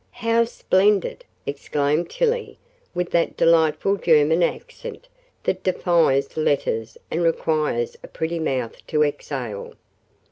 "How splendid!" exclaimed Tillie, with that delightful German accent that defies letters and requires a pretty mouth to "exhale."